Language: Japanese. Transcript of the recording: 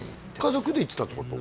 家族で行ってたってこと？